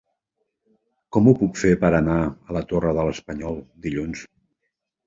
Com ho puc fer per anar a la Torre de l'Espanyol dilluns?